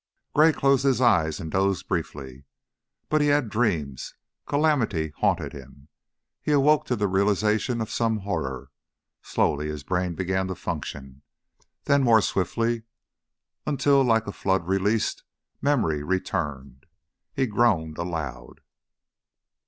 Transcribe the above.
Gray closed his eyes and dozed briefly. But he had dreams; calamity haunted him; he awoke to the realization of some horror. Slowly his brain began to function, then more swiftly, until, like a flood released, memory returned. He groaned aloud.